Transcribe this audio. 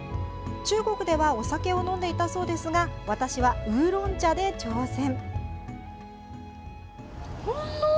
中国ではお酒を飲んでいたそうですが私はウーロン茶で挑戦！